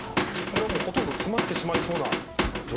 これはもうほとんど詰まってしまいそうな状況ですけども。